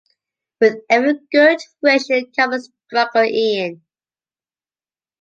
With every good wish in common struggle, Ian.